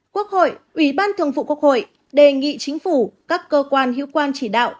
quốc hội ủy ban thường vụ quốc hội đề nghị chính phủ các cơ quan hữu quan chỉ đạo